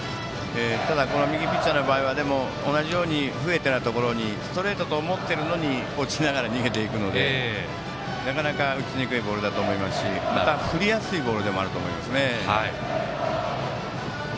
ただ右ピッチャーの場合は同じように不得手なところにストレートと思っているのに落ちながら逃げていくのでなかなか打ちにくいボールだと思いますしまた振りやすいボールでもあると思います。